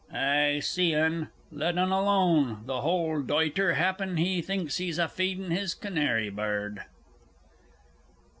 I see un let un aloan, th' hold doitler, happen he thinks he's a feedin' his canary bird!